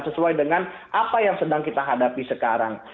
sesuai dengan apa yang sedang kita hadapi sekarang